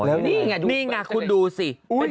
แล้วนี่ไงด้วยนี่ไงคุณดูสิ